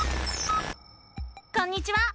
こんにちは！